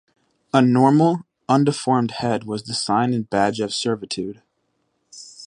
A normal, undeformed head was the sign and badge of servitude.